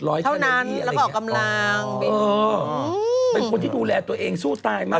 เท่านั้นแล้วก็ออกกำลังเป็นคนที่ดูแลตัวเองสู้ตายมาก